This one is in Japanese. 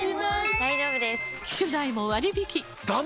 大丈夫です！